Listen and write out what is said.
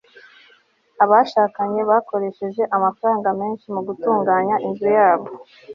abashakanye bakoresheje amafaranga menshi mu gutunganya inzu yabo